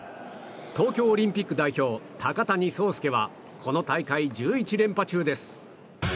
東京オリンピック代表高谷惣亮はこの大会、１１連覇中です。